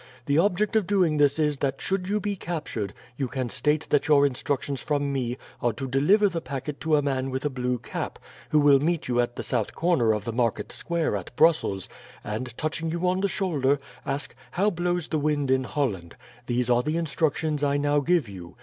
The object of doing this is, that should you be captured, you can state that your instructions from me are to deliver the packet to a man with a blue cap, who will meet you at the south corner of the Market Square at Brussels, and, touching you on the shoulder, ask 'How blows the wind in Holland?' These are the instructions I now give you.